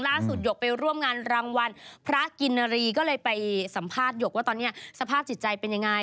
หยกไปร่วมงานรางวัลพระกินนารีก็เลยไปสัมภาษณ์หยกว่าตอนนี้สภาพจิตใจเป็นยังไง